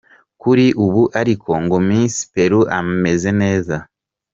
Kuri ubu ariko ngo Miss Peru ameze neza.